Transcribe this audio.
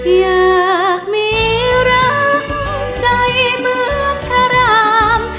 อยากมีรักใจเหมือนพระราม